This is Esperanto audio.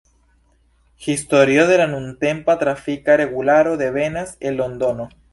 Historio de la nuntempa trafika regularo devenas el Londono.